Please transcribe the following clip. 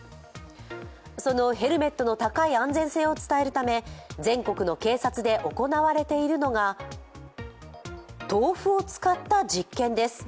そのヘルメットの高い安全性を伝えるため全国の警察で行われているのが、豆腐を使った実験です。